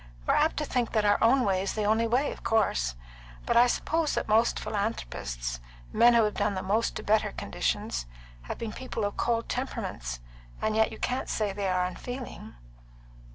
We're apt to think that our own way is the only way, of course; but I suppose that most philanthropists men who have done the most to better conditions have been people of cold temperaments; and yet you can't say they are unfeeling."